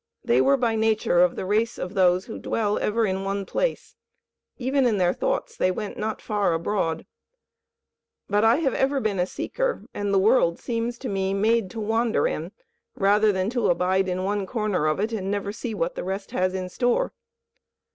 They were by nature of the race of those who dwell ever in one place; even in their thoughts they went not far abroad. But I have been ever a seeker, and the world seems to me made to wander in, rather than to abide in one corner of it and never see what the rest has in store.